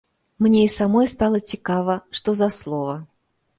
Мне і самой стала цікава, што за слова.